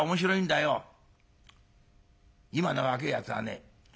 今の若えやつはね